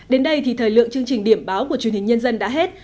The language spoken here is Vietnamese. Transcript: đến đây thì thời lượng chương trình điểm báo của truyền hình nhân dân đã hết